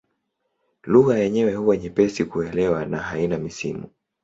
Lugha yenyewe huwa nyepesi kuelewa na haina misimu.